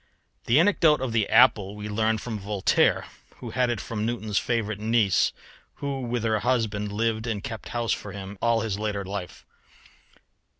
The anecdote of the apple we learn from Voltaire, who had it from Newton's favourite niece, who with her husband lived and kept house for him all his later life.